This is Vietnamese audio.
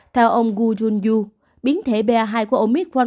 theo ông wu yunyu biến thể ba hai của omicron